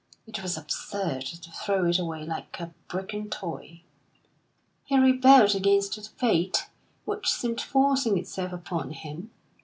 It was absurd to throw it away like a broken toy. He rebelled against the fate which seemed forcing itself upon him.